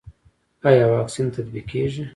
آیا واکسین تطبیقیږي؟